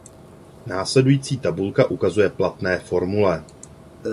Následující tabulka ukazuje platné formule.